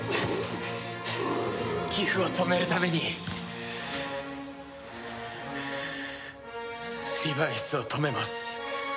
ギフを止めるためにリバイスを止めます。